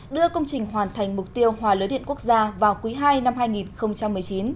đưa công trình hoàn thành mục tiêu hòa lưới điện quốc gia vào quý ii năm hai nghìn một mươi chín